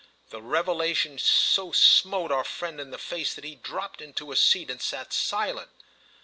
The revelation so smote our friend in the face that he dropped into a seat and sat silent.